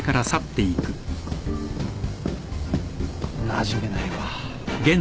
なじめないわ。